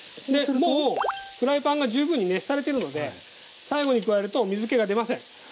もうフライパンが十分に熱されてるので最後に加えると水けが出ません。